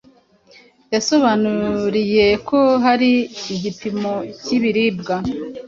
yansobanuriye ko hari igipimo k’ibiribwa